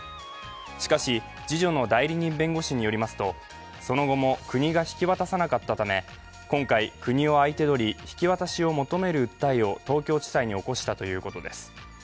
しかし、次女の代理人弁護士によりますと、その後も国が引き渡さなかったため、今回、国を相手取り引き渡しを求める訴えを東京地裁に起こしたということです。